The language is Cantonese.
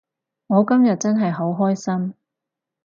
我今日真係好開心